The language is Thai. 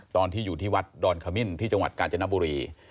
ตอนที่อยู่ที่วัดดอนขมิ้นที่จังหวัดกาญจนบุรี